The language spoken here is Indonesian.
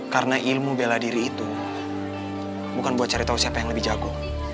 karena ilmu bela diri itu bukan buat cari tahu siapa yang lebih jago